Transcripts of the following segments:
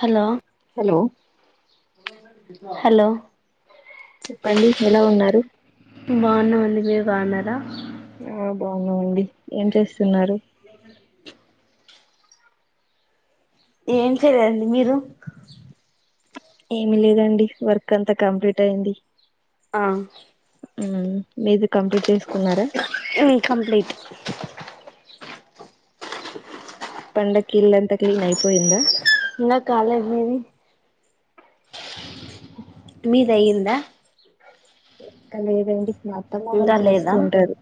Hello hello hello చెప్పండి ఎలా ఉన్నారు బాగున్నామండి మీరు బాగున్నారా ఆ బాగున్నావండి ఏం చేస్తున్నారు ఏం చేయండి మీరు ఏమి లేదండి వర్క్ అంతా కంప్లీట్ అయింది ఆ ఉ మీది కంప్లీట్ చేసుకున్నారా కంప్లీట్ పండకిి ఇల్లంత క్లిన్ అయిపోయిందా ఇలా కాలె మీది మీదయ్యందా ఏంక లేదండి మా అత్తమ అని ఇంకా లేదా చేస్తుంటారు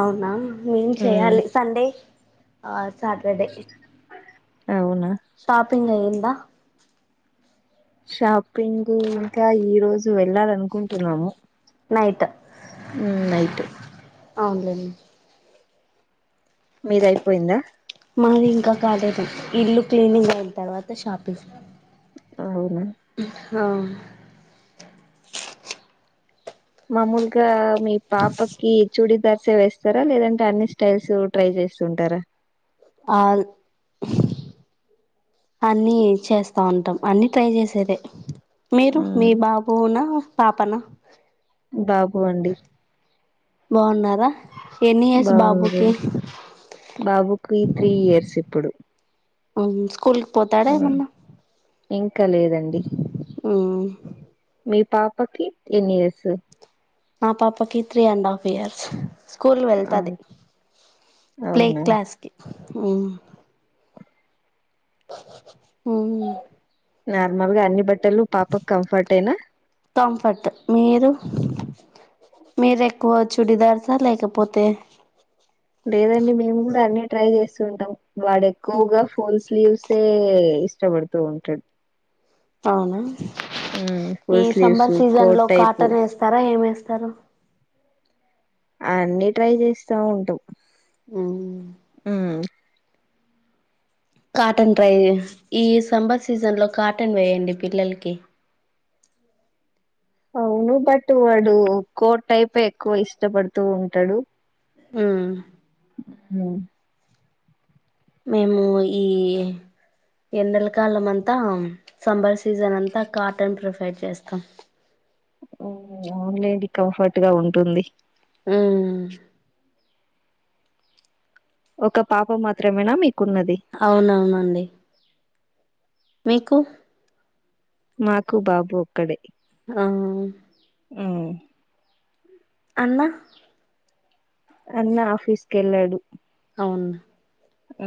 అవునా మేం చేయాలి సండే ఆ సాటర్డే అవునా పని ఐందా షా పింగ్ ఇంకా ఈ రోజు వెళ్ళాలి అనుకుంటున్నాము నైట్ ఉ నైట్ అవునులేండి మీదయిపోయిందా మాది ఇంకా కాలేదండి ఇల్లు క్లీనింగ్ అయిన తర్వాత షాపింగ్ అవునా హా మామూలుగా మీ పాపకి చూడదర్సే వేస్తారా లేదంటే అన్ని స్టైల్స్ ట్రై చేస్తుంటారా ఆల్ అన్నిీ చేస్తా ఉంటాం అన్ని ట్రై చేసేదిే మీరు మ్మ్ మీ బాబునా పాపనా బాబు అండి బావున్నారా బాగుంది బాబుకి త్రీ ఇయర్స్ ఇప్పుడు స్కూల్కి పోతాడే ఎమన్న ఇంకా లేదండి ఉ మీ పాపకి ఎన్నియర్స్ మా పాపకి three and half years school వెళ్తది ప్లే అవునా క్లాస్ కి ఉ నార్మల్ గా అన్ని బట్టలు పాపకు కంఫర్ట్ అయినా కంఫర్టే మీరు మీర ఎక్కువ చుడిదార్సా లేకపోతే లేదండి మేము కూడా అన్ని ట్రై చేస్తూ ఉంటాం వాడు ఎక్కువగా ఫుల్ స్లీవ్స్ తే ఇష్టపడుతు ఉంటాడు అవునా ఉమ్, ఈ full sleeves summer season coat లో టైపు కాటన్ వేస్తారా ఏమేస్త స్తరు అన్నీ ట్రై చేస్తా ఉంటావు ఉ కాటన్ ట్రై ఈ సమర్ సీజన్ లో కాటన్ వేయండి పిల్లలకి అవును బట్ వాడు కోట్ టైపే ఎక్కువ ఇష్టపడుతూ ఉంటాడు మ్మ్ హ మేము ఈ ఎండలకాలం అంతా సమ్మర్ సీజన్ అంతా కాటన్ ప్రిఫైడ్ చేస్తాం అవున్లేది కంఫర్ట్ గా ఉంటుంది ఊ ఒక పాపం మాత్రమేనా మీకు అవునవునండి మీకు మాకు బాబు ఒక్కడే ఆ మ్ అన్న అన్న ఆఫీస్ కీ వెళ్ళాడు అవున్ ఉ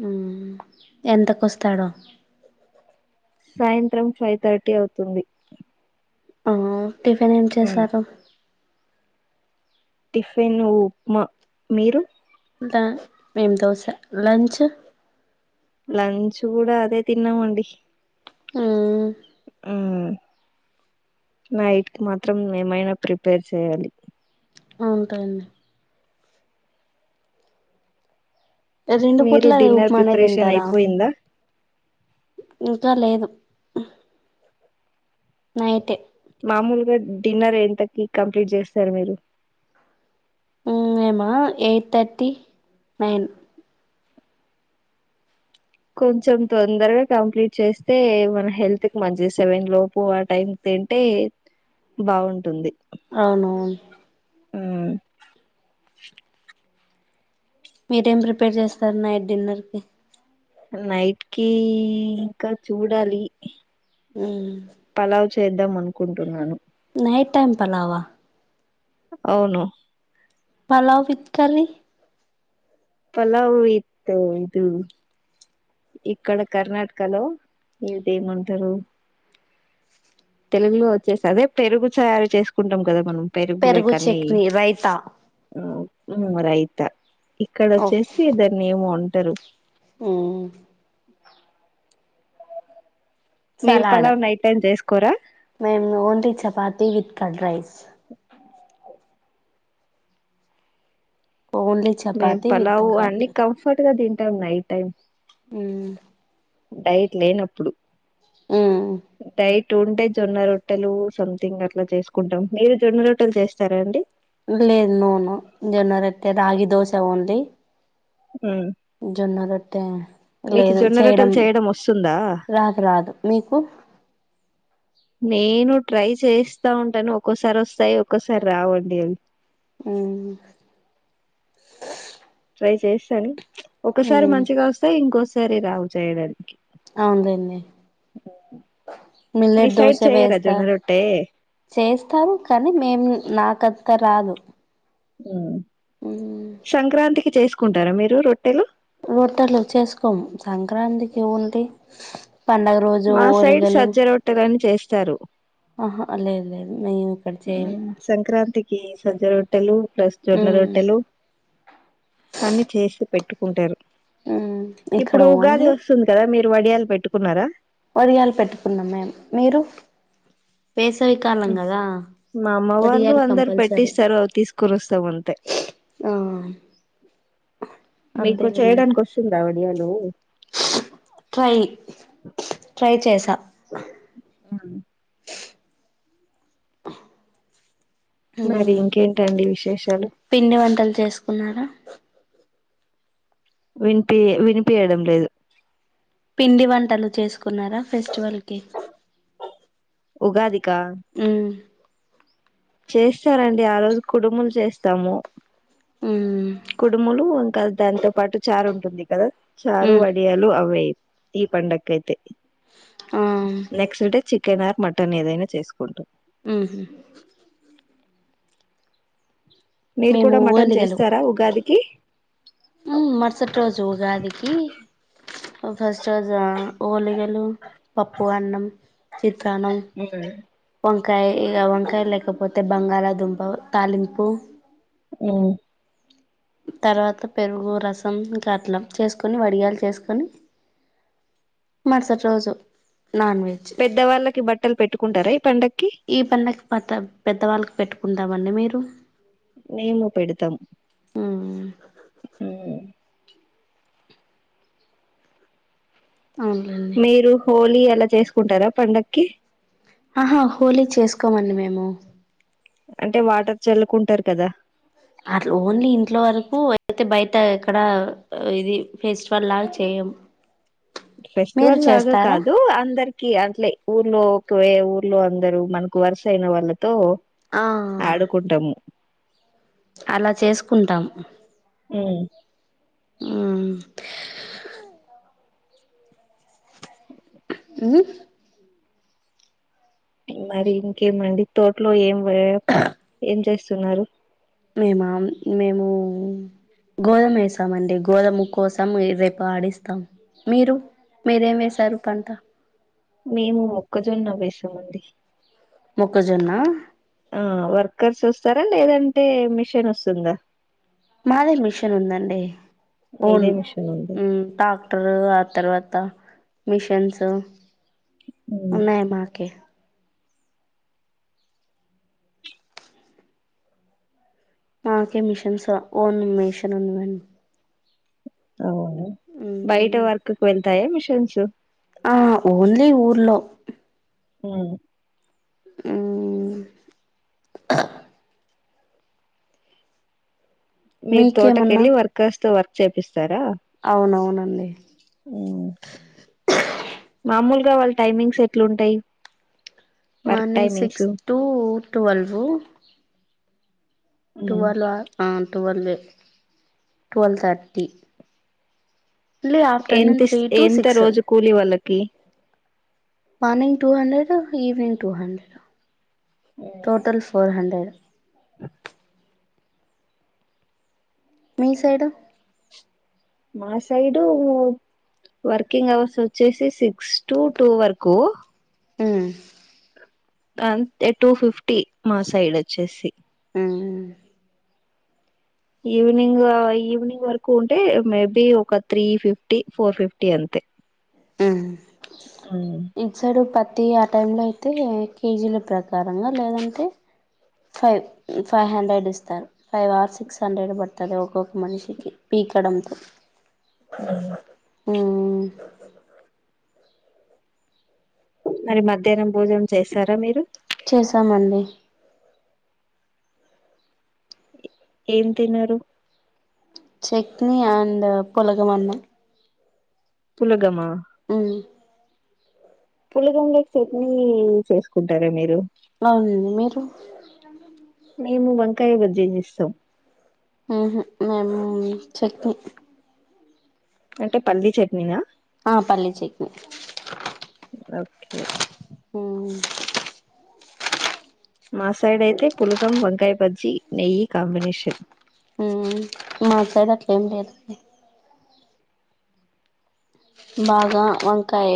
మ్ ఎంతక వస్తాడో సాయంత్రం ఫైవ్ థర్టీ అవుతుంది ఆ టిఫిన్ ఏం చేశారు టిఫిన్యు ఉప్మా మీరు మేం దోశ లంచ్ లంచ్ కూడా అదే తిన్నామండి మ్ మ్మ్ నైట్కి మాత్రం ఏమైనా ప్రిపేర్ చేయాలి ఉంటాయిడి రెండు మీరు పూట్ల అద డిన్నర్ ఉప్మానే ప్రిపరేషన్ తింటారా అయిపోయిందా ఇంకా లేదు నైట్ మామూలుగా డిన్నర్ ఎంతకి కంప్లీట్ చేస్తారు మీరు మ్మ్ మేమా ఎయిట్ తర్టీ నైన్ కొంచెం తొందరగా కంప్లీట్ చేస్తే మన హెల్త్ కి మంచి సేవన్ లోపు ఆ టైం తింటే బావుటుంది అవునువును ఆ మీరేం ప్రిపేర్ చేస్తారు నైట్ డిన్నర్ కి నైట్ కి ఇంకా చూడాలి మ్ పలావ్ చేద్దాం అనుకుంటున్నాను నైట్ టైం పలావా అవును పలావ విత్కీ కర్రీ పలావ్ ఇతు ఇ ఇక్కడ కర్ణాటకలో ఇది ఏమంటారు తెలుగులో వచ్చేసి అదే పెరుగు చారు చేసుకుంటాం కదా మనం పెరుగులే పెరుగు కీ అనీ చట్నీ రైతా రైత ఇక్కడ వచ్చేసిద్దని ఏమో ఉంటారు మ్మ్ మీిరు పల్లా్ నైట్ టైం చేసుకో మేమ్ only chapati with curd rice only మేము చపాతి విత్ పలావు కర్డ్ అన్ని కంఫర్ట్ గా తింటాము నై టైం ఉమ్ డైట్ లేనప్పుడు ఆ టూ ఉంటే జొన్న రొట్టెలు సంథింగ్ అట్లా చేసుకుంటాం మీరు జొన్న రొట్టెలు చేస్తారా అండి లేదు నో నో జొన్న రొట్టె రాగి దోశ ఓన్లీ ఊ జొన్న రొట్టే లేదు చేయడం రొట్టెలు వస్తుందా రాదు రాదు మీకు అ నేను ట్రై చేస్తా ఉంటాను ఒక్కోసారి వస్తాయి ఒక్కోసారి రావండి అవి ఊ ట్రై చేస్తాను ఒకసారి మంచిగా వస్తేయి ఇంకోసారి రావు చేయడానికి అవుదంది మీ మిల్లెట్ సైడ్ దోశ చేయరా వేస్తా జొన్న రొట్టె చేస్తాం కానీ మేం నాకత రాదు ఊ శంక్రాంతికి చేసుకుంటారా మీరు రొట్టెలు రొట్టలు చేసుకోం సంక్రాంతికి ఓన్లీ పండగ రోజు మా సైడ్ ఓలిగలు సజ్జ రొట్టలని చేస్తారు ఆహా లేదు లేదు మేము ఇక్కడ ఆ చేయం సంక్రాంతికి సజ్జ రొట్టెలు ప్లస్ జొన్న మ్మ్ రొట్టెలు అన్ని చేసి పెట్టుకుంటారు మ్మ్ ఇక్కడ ఇప్పుడు ఉగాది ఓన్లీ వస్తుంది కదా మీరు వడియాలు పెట్టుకున్నారా వడియాలు పెట్టుకున్నాం మేము మీరు వేసవి కాలం ఉమ్. కదా మా అమ్మ వాళ్ళు వడియాలు అందరు కంపల్సరీ పెట్టిస్తారు అవి తీసుకొని వస్తావు అంతే ఆ మీకు అంతేలేండి చేయడానికి వస్తుంద వడియాలు ట్రై ట్రై చేసా అవును ఊ మరి ఇంకేంటండి విశేషాలు పిండి వంటలు చేసుకున్నారా వినిపి వినిపియడం లేదు పిండి వంటలు చేసుకున్నారా ఫెస్టివల్ కి ఉగాది ఊ చేస్తారండి ఆ రోజు కుడుములు చేస్తాము మ్మ్ కుడుములు ఇంకా దానితో పాటు చారు ఉంటుంది కదా చారు మ్మ్ వడియాలు అవే ఈ పండకు ఐతే ఆ next day chicken or mutton ఏదైనా చేసుకుంటం ఊహు మీరు మేము కూడా మటన్ చేస్తారా ఉగాదికి ఉ మర్సట్ రోజు ఉగాది ఈ ఓ ఫస్ట్ రోజా ఓలిగలు పప్పు అన్నం ది ప్రానం వంకాయ ఇక వంకాయ లేకపోతే తె బంగాళాదుంప తాలింపు ఊ తర్వాత పెరుగు రసం ఇంకా అట్ల చేసుకొని వడిగాయలు చేసుకొని మర్సాట్ రోజు నాన్ వెజ్ పెద్దవాళ్ళకి బట్టలు పెట్టుకుంటారా ఈ పండక్కి ఈ పండకు పత పాత పెద్దవాళ్ళకి పెట్టుకుంటామండి మీరు నేను పెడుతాం మ్ ఊ అవునులేండి మీరు హోలీ అలా చేసుకుంటారా పండగకి ఆహా హోలీ చేసుకోమండి మేము అంటే వాటర్ చల్లుకుంటారు కదా అట్ల ఓన్లీ ఇంట్లో వరకు అయితే బయట ఎక్కడ ఇది ఫెస్టివల్ లాగా చేయము ఫెస్టివల్ లాగా కాదు అందరికి కి అంటే ఊర్లో ఒకవే ఊర్లో అందరూ మనకు వరుస అయిన వాళ్ళ తో ఆ ఆడుకుట్టము అలా చేసుకుంటాం ఊ ఊమ్ ఓే ఉ మరి ఇంకేమండి తోట్లో ఏం వ ఏం చేస్తున్నారు మేము మేము గోధమ్ ఏసామండి గోధము కోసం రేపు ఆడిస్తాం మీరు మీరేం వేసారు పంట మేము మొక్కజొన్న వేసామండి మొక్కజొన్న ఆ వర్కర్స్ వస్తారా లేదంటే మిషన్ వస్తుందా మాది మిషన్ ఉందండి ఓన్ మీదే మిషన్ ఉంది ఊమ్ ట్రాక్టరూ ఆ తర్వాత మిషన్స్ ఉమ్, ఉన్నాయ్ మాకే మాకే మిషన్సా ఓన్ మిషన్ ఉందన్ బయట వర్కుక్ వెళ్తాయా మిషన్స్ ఆ ఓన్లీ ఊర్లో ఊ ఊమ్ మీ మీకేమన్నా తోటకెళ్ళి వర్క్ వస్త వర్క్ చేపిస్ సరా అవునవునండి ఊ మామూలుగా వాళ్ళ టైమింగ్స్ ఎట్లుంటాయి work morning timings six to twelve um. టువ్వలా ఆ టువల్వే ట్వల్ థట్టి ఎంతిస్ ఎంత రోజు కూలి వాళ్ళకీ morning two hundred, evening two hundred, um. Total four hundred. [unintelligible] మీ సైడు మా సైడూ వర్కింగ్ అవర్స్ వచ్చేసి సిక్స్ టూ టూ వరకూ ఊ అంతె టూ ఫిఫ్టీ మా సైడ్ ఒచ్చేసి మ్మ్ ఈవినింగా ఈవినింగ్ వరకు ఉంటే మేబీ ఒక త్రీ ఫిఫ్టీ, ఫోర్ ఫిఫ్టీ, అంతె. తె ఇట్ సైడు ప తీ ఆ టైం లో అయితే కేజీల ప్రకారంగా లేదంటే ఫైవ్ ఫైవ్ హండ్రెడ్ ఇస్తారు ఫైవ్ ఆర్ సిక్స్ హండ్రెడ్ బడుతాది ఒక్కొక్క మనిషికి పి కడంతో ఊహు ఊ మరి మధ్యాహ్నం భోజన చేసారా మీరు చేసామండి ఏం తిన్నరు చక్నీ ఆండ్ పొలగం అన్నం పులగమా ఊ పులగమ్లోకి చట్నీ చేసుకుంటారా మీరు అవునండి మీరు మేము వంకాయ బజ్జీ చేస్తాం మ్ హు మేం చెట్ని అంటే పల్లీ చట్నీనా? ఆ పర్లేదు చెయ్ కే ఉమ్ మా సైడ్ అయితే పులకం వంకాయ బజ్జీ నెయ్యి కాంబినేషన్ మ్మ్ మా సైడ్ అట్ల ఏం లేదు బాగా వంకాయ